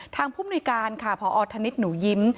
ทางภูมิการค่ะพอธนิดหนูยิ้ม